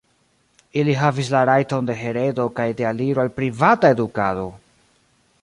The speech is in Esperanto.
Ili havis la rajton de heredo kaj de aliro al privata edukado!